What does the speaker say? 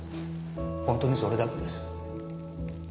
本当にそれだけです。